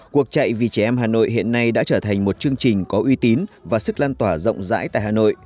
cuộc chạy vì trẻ em hà nội hiện nay đã trở thành một chương trình có uy tín và sức lan tỏa rộng rãi tại hà nội